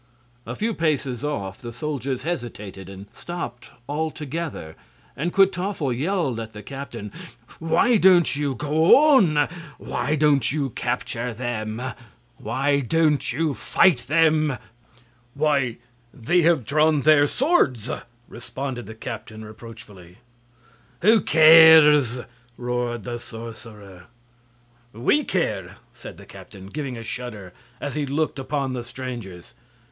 A few paces off the soldiers hesitated and stopped altogether, and Kwytoffle yelled at the captain: "Why don't you go on? Why don't you capture them? Why don't you fight them?" "Why, they have drawn their swords!" responded the captain, reproachfully. "Who cares?" roared the sorcerer. "We care," said the captain, giving a shudder, as he looked upon the strangers.